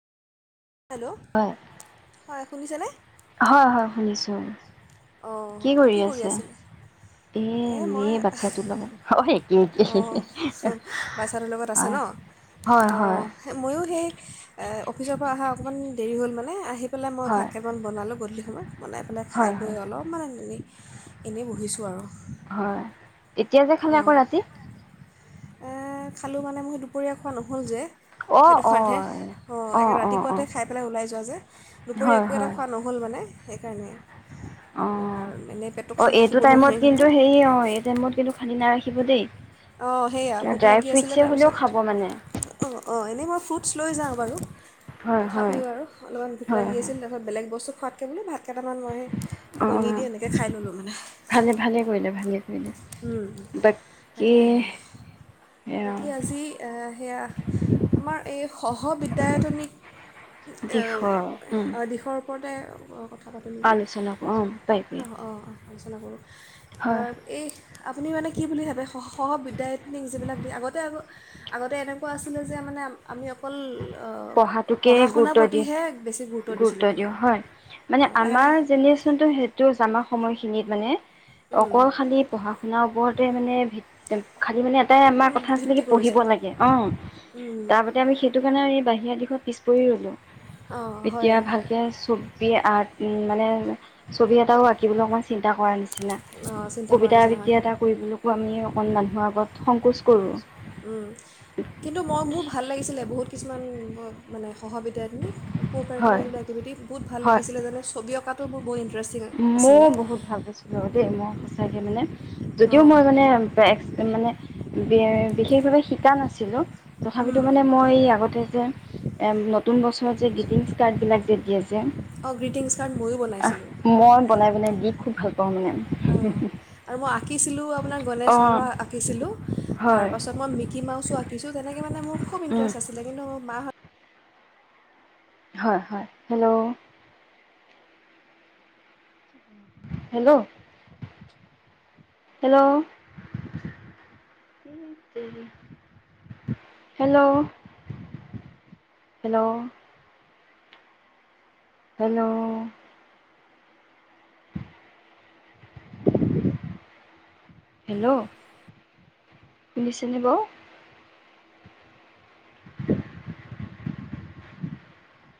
Hello? হয়, শুনিছেনে? হয়- হয় শুনিছোঁ। অ' কি কৰি আছিলে? এ এই মই এনেই অ' বাচ্ছাটোৰ লগত অ একে হঁ- একে হ‌ঁ- অ' বাচ্ছাটোৰ লগত আছে ন'? হয় হয় অ' হয় ময়ো সেই এ- অফিচৰ পৰা অহা অকণমান দেৰি হ'ল মানে, আহি পেলাই মই ভাত হয় কেমান বনালোঁ গধূলি হয় [unintelligible] বনাই পেলাই খাই হয় বৈ হয় অলপমান এনেই এনেই বহিছোঁ আৰু। হয়। এতিয়া যে খালে, আকৌ ৰাতি? আ- খালোঁ মানে মোৰ দুপৰীয়া খোৱা নহ'ল যে। অ সেইটো অ কাৰণে। অ' একে ৰাতিপুৱাতে খাই পেলাই ওলাই যোৱা যে, দুপৰীয়া হয় একো এটা হয় খোৱা নহ'ল মানে। সেইকাৰণে। এনেই পেটটো অ খালী ৰাখিব এইটো নোৱাৰি টাইমত নহয় কিন্তু হেৰি অ এই টাইমত কিন্তু খালি নাই৷ থাকিব দেই৷ অঁ সেয়া ভোক ড্ৰাই লাগি আছিলে ফ্ৰুইটছে হ'লেও তাৰপিছত খাব মানে অঁ - অঁ এনেই মই ফ্ৰুটছ লৈ যাওঁ বাৰু হয় হয় তথাপিও আৰু অলপমান ভোক হয় লাগি হয় আছিল তাৰপিছত বেলেগ বস্তু খোৱাত কেবোলো ভাত কেইটামান মই অ কণী দি এনেকে খাই ল'লোঁ মানে। ভালে ভালে কৰিলে ভালে কৰিলে উম। বাকী তাকেহে। এয়া বাকী আজি অ'- সেয়া আমাৰ এই সহ-বিদ্যায়তনিক দিশ উম অ'- দিশৰ ওপৰত এ ব [unintelligible] কথা পাতোঁ নেকি আলোচনা অ পাৰিবি অঁ অঁ অঁ আলোচনা কৰোঁ। হয় আ- এই আপুনি মানে কি বুলি ভাবে সহ বিদ্যায়তনিক যিবিলাক দি আগতে আগ আগতে এনেকুৱা আছিলে যে মানে আমি অকল আহ, পঢ়াটোকে পঢ়া শুনাৰ গুৰুত্ব প্ৰতিহে বেছি দিয়ে দিছিলোঁ গুৰুত্ব মানে দিওঁ হয় মানে অঁ, লাহে লাহে আমাৰ জেনেৰেশ্যনটো সেইটো কৈছো আমাৰ সময় খিনিত মানে উম, অকল খালি পঢ়া-শুনাৰ ওপৰতে মানে ভিত খালি মানে এটাই আমা উম, কথা আছিলে ভিত্তি কি পঢ়িব কৰিছিলোঁ লাগে অ উম, তাৰ বাদে আমি সেইটো কাৰণে আমি বাহি বিয়াৰ দিশত পিছ পৰি ৰ'লোঁ অঁ হয় এতিয়া ভালকে চবি আৰ্ট মানে ছবি এটাও আঁকিবলৈ অকণমান চিন্তা কৰাৰ নিচিনা অঁ চিন্তা কৰা কবিতা নিচিনা আবৃত্তি হয় এটা কৰিবলৈকো আমি অকন মানুহৰ আগত সংকোচ কৰোঁ হম কিন্তু মই মোৰ ভাল লাগিছিলে বহুত কিছুমান মানে সহবিদ্যায়াধিনীক কাৰিকুলাৰ হয় একটিভিটি বহুত ভাল লাগিছিল যানা ছবি অকাত তৌ ক বৈ মোৰ বহুত ভাল পাইছিলো দেই মই সচাকে মানে যদিও অঁ মই মানে মানে সেইবাবে শিকা নাছিলো তথাপিতো উম, মানে মই আগতে যে এম নতুন বছৰ মই যে গ্ৰীটিংছ কাৰ্ড বিলাই ঠিকে আছে অ গ্ৰিটিংছ কাৰ্ড ময়ো বনাইছিলোঁ মই বনাই বনাই দি খুব ভাল পাওঁ মানে আৰু মই আঁকিছিলোঁ আপোনাৰ গণেশ অঁ বাবা আঁকিছিলোঁ হয় তাৰপাছত মই মিকি কিছু তেনে মানে মোৰ খুব উম ইণ্টেৰেষ্ট আছিলে কিন্তু মা হত হয় হয় hello hello hello hello hello hello hello শুনিছেনে বাও